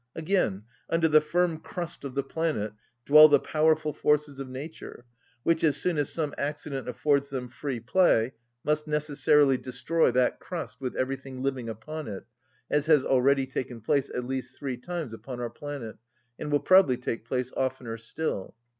Again, under the firm crust of the planet dwell the powerful forces of nature which, as soon as some accident affords them free play, must necessarily destroy that crust, with everything living upon it, as has already taken place at least three times upon our planet, and will probably take place oftener still.